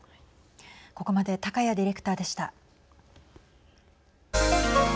ここまで高谷ディレクターでした。